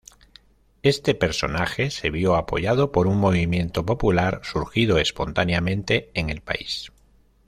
Este personaje se vio apoyado por un movimiento popular surgido espontáneamente en el país.